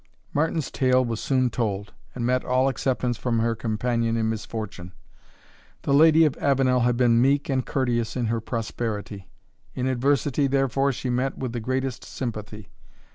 Martin's tale was soon told, and met all acceptance from her companion in misfortune. The Lady of Avenel had been meek and courteous in her prosperity; in adversity, therefore, she met with the greatest sympathy.